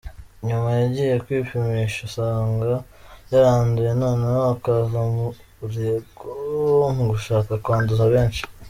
Nyuma yagiye kwipimisha, asanga yaranduye noneho akaza umurego mu gushaka kwanduza benshi.